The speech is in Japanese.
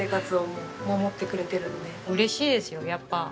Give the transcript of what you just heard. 嬉しいですよやっぱ。